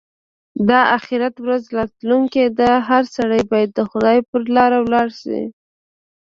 د اخيرت ورځ راتلونکې ده؛ هر سړی باید د خدای پر لاره ولاړ شي.